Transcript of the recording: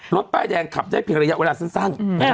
ป้ายแดงขับได้เพียงระยะเวลาสั้น